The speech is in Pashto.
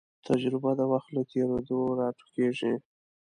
تجربه د وخت له تېرېدو راټوکېږي.